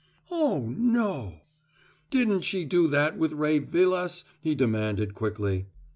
"Oh, no " "Didn't she do that with Ray Vilas?" he demanded quickly.